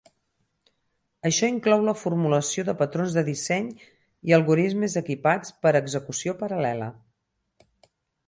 Això inclou la formulació de patrons de disseny i algoritmes equipats per a execució paral·lela.